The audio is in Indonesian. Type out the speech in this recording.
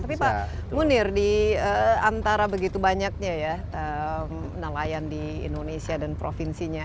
tapi pak munir di antara begitu banyaknya ya nelayan di indonesia dan provinsinya